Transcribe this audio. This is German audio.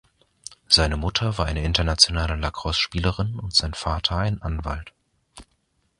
Seine Mutter war eine internationale Lacrosse-Spielerin und sein Vater ein Anwalt.